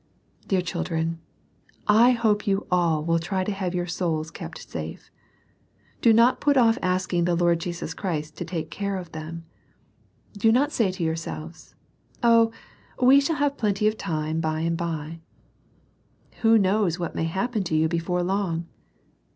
Dear children, I hope you will all try to have your souls kept safe. Do not put off asking the Lord Jesus Christ to take care of them. Do not say to yourselves, "Oh, we shall have plenty of time by and by !" Who knows what may happen to you before long.